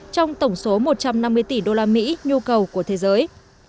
trong tổng số một trăm năm mươi tỷ đô la mỹ nhu cầu của thế giới